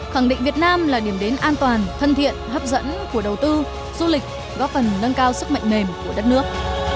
khẳng định việt nam là điểm đến an toàn thân thiện hấp dẫn của đầu tư du lịch góp phần nâng cao sức mạnh mềm của đất nước